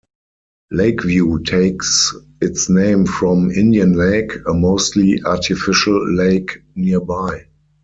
Lakeview takes its name from Indian Lake, a mostly artificial lake nearby.